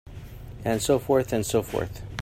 And so forth and so forth.